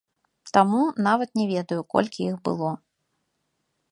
Таму нават не ведаю, колькі іх было.